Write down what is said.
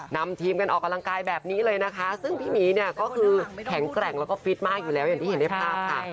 นำทีมกันออกกำลังกายแบบนี้เลยนะคะซึ่งพี่หมีเนี่ยก็คือแข็งแกร่งแล้วก็ฟิตมากอยู่แล้วอย่างที่เห็นในภาพค่ะ